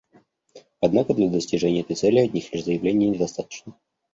Однако для достижения этой цели одних лишь заявлений недостаточно.